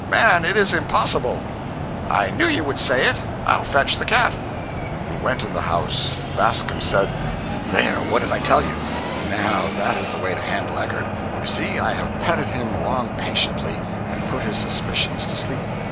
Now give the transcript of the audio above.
Man, it is impossible." "I knew you would say it. I'll fetch the cat." He went in the house. Bascom said: "There—what did I tell you? Now, that is the way to handle Eckert. You see, I have petted him along patiently, and put his suspicions to sleep.